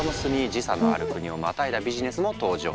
時差のある国をまたいだビジネスも登場。